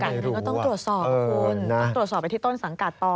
ก็ต้องตรวจสอบคุณต้องตรวจสอบไปที่ต้นสังกัดต่อ